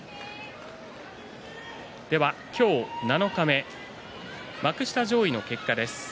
今日、七日目幕下上位の結果です。